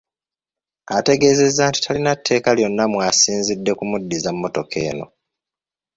Ategezeza nti talina tteeka lyonna mw’asinzidde kumuddiza mmotoka eno.